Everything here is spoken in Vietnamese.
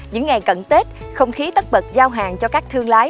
những ngày cận tết không khí tất bật giao hàng cho các thương lái